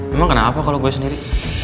memang kenapa kalau gue sendiri